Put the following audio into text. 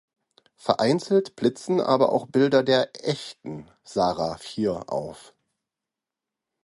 Vereinzelt blitzen aber auch Bilder der „echten“ Sarah Fier auf.